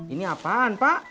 ini apaan pak